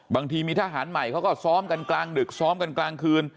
บางทีมีทหารใหม่เขาก็ซ้อมกันกลางดึกซ้อมกันกลางคืน